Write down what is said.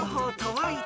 はい。